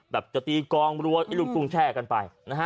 แบบจะตีกองรวดรุ่นกรุงแช่กันไป